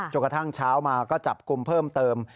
กระทั่งเช้ามาก็จับกลุ่มเพิ่มเติม